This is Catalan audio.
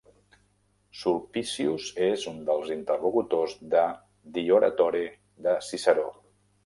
Sulpicius és un dels interlocutors de "De oratore" de Ciceró.